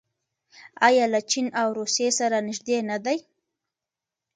آیا له چین او روسیې سره نږدې نه دي؟